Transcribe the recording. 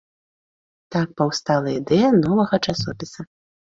Так паўстала ідэя новага часопіса.